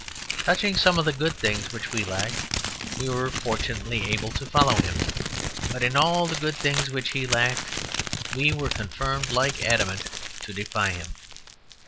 Touching some of the good things which we lacked, we were fortunately able to follow him. But in all the good things which he lacked, we were confirmed like adamant to defy him.